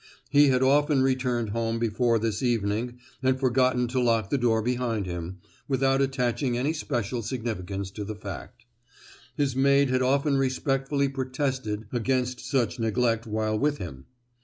He had often returned home before this evening and forgotten to lock the door behind him, without attaching any special significance to the fact; his maid had often respectfully protested against such neglect while with him.